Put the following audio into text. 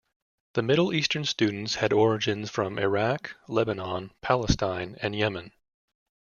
The Middle Eastern students had origins from Iraq, Lebanon, Palestine, and Yemen.